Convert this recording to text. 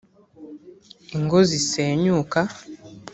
Ingo zisenyuka